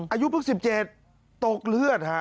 อายุเพิ่ง๑๗ตกเลือดฮะ